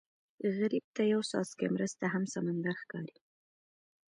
غریب ته یو څاڅکی مرسته هم سمندر ښکاري